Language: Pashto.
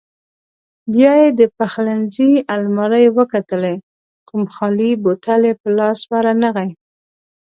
بیا یې د پخلنځي المارۍ وکتلې، کوم خالي بوتل یې په لاس ورنغی.